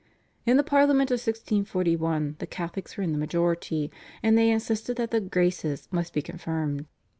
In the Parliament of 1641 the Catholics were in the majority, and they insisted that the "Graces" must be confirmed.